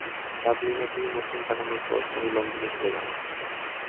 ডাবলিনে দুই মৌসুম কাটানোর পর তিনি লন্ডনে চলে যান।